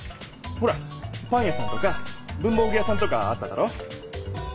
ほらパン屋さんとか文房具屋さんとかあっただろ？